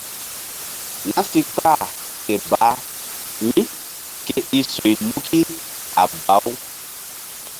Na si kpah ke baah mí ke i soyluki a baw.